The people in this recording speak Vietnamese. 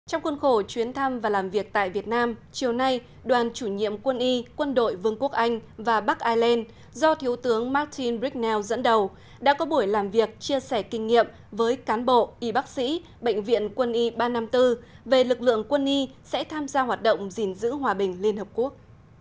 trong khuôn khổ chuyến thăm và làm việc tại việt nam chiều nay đoàn chủ nhiệm quân y quân đội vương quốc anh và bắc ireland do thiếu tướng martin brignell dẫn đầu đã có buổi làm việc chia sẻ kinh nghiệm với cán bộ y bác sĩ bệnh viện quân y ba trăm năm mươi bốn về lực lượng quân y sẽ tham gia hoạt động gìn giữ hòa bình liên hợp quốc